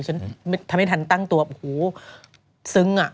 ฉันทำให้ทันตั้งตัวโอ้โหซึ้งอ่ะ